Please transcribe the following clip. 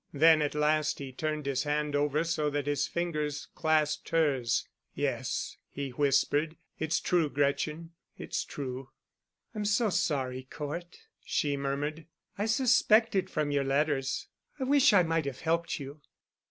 Then at last he turned his hand over so that his fingers clasped hers. "Yes," he whispered, "it's true, Gretchen. It's true." "I'm so sorry, Cort," she murmured. "I suspected from your letters. I wish I might have helped you.